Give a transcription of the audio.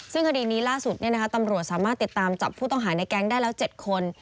ซึ่งคดีนี้ล่าสุดตำรวจสามารถติดตามจับผู้ต้องหาในแก๊งได้แล้ว๗คน